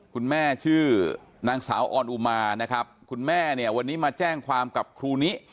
คุณแม่ชื่อนางสาวออนอุมานะครับคุณแม่เนี่ยวันนี้มาแจ้งความกับครูนิ